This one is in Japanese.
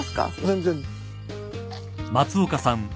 全然。